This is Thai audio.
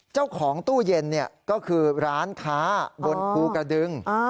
เจ้าของตู้เย็นก็คือร้านค้าบนภูกระดึง